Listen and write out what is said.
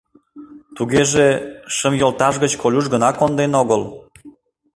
Тугеже, шым йолташ гыч Колюш гына конден огыл.